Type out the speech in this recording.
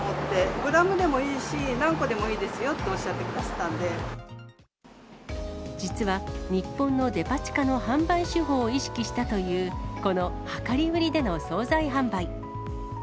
グラムでもいいし、何個でもいいですよっておっしゃってくだすっ実は、日本のデパ地下の販売手法を意識したという、この量り売りでの総菜販売。